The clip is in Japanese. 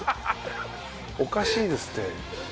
おかしいですって。